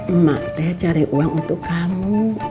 emak saya cari uang untuk kamu